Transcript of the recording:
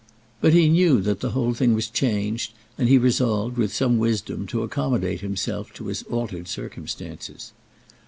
But he knew that the whole thing was changed, and he resolved, with some wisdom, to accommodate himself to his altered circumstances.